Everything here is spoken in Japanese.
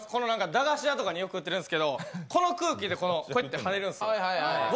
駄菓子屋とかによく売ってるんですけどこの空気でこうやって跳ねるんです。